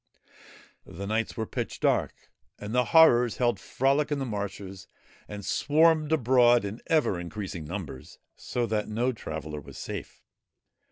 The nights were pitch dark, and the Horrors held frolic in the marshes and swarmed abroad in ever increasing numbers, so that no traveller was safe.